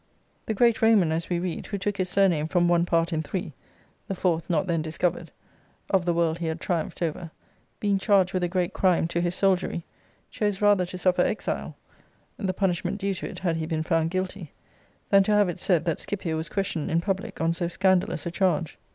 The great Roman, as we read, who took his surname from one part in three (the fourth not then discovered) of the world he had triumphed over, being charged with a great crime to his soldiery, chose rather to suffer exile (the punishment due to it, had he been found guilty) than to have it said, that Scipio was questioned in public, on so scandalous a charge.